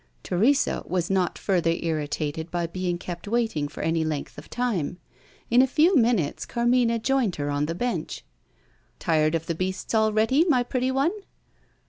Teresa was not further irritated by being kept waiting for any length of time. In a few minutes Carmina joined her on the bench. "Tired of the beasts already, my pretty one?"